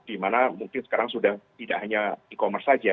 dimana mungkin sekarang sudah tidak hanya e commerce saja